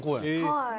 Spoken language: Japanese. はい。